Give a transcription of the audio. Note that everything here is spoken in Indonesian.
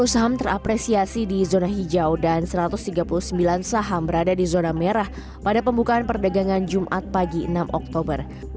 dua ratus sepuluh saham terapresiasi di zona hijau dan satu ratus tiga puluh sembilan saham berada di zona merah pada pembukaan perdagangan jumat pagi enam oktober